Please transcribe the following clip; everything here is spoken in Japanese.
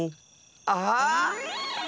あっ！